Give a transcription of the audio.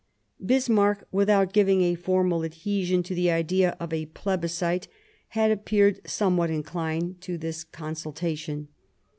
Bismarck, without giving a formal adhesion to the idea of a plebiscite, had appeared somewhat inclined to this consultation.